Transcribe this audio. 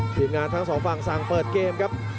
ทีมงานทั้งสองฝั่งสั่งเปิดเกมครับ